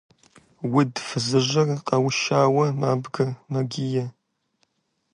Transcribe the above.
Уд фызыжьыр къэушауэ мабгэ, мэгие.